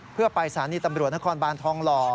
เพื่อไปสถานีตำรวจนครบานทองหล่อ